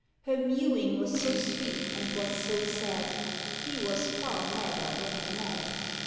Her mewing was so sweet, and was so sad: He was far madder than the mad.